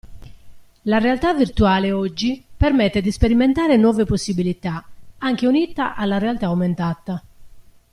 La realtà virtuale oggi permette di sperimentare nuove possibilità, anche unita alla realtà aumentata.